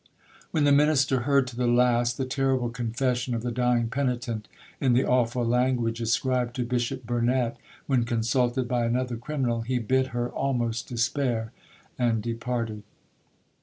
When the minister heard to the last the terrible confession of the dying penitent, in the awful language ascribed to Bishop Burnet when consulted by another criminal,—he bid her 'almost despair,' and departed.